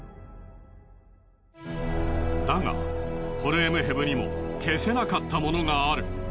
だがホルエムヘブにも消せなかったものがある。